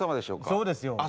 そうですよ。